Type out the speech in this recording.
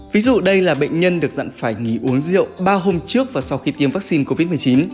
ví dụ đây là bệnh nhân được dặn phải nghỉ uống rượu ba hôm trước và sau khi tiêm vaccine covid một mươi chín